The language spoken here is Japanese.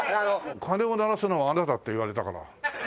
「鐘を鳴らすのはあなた」って言われたから。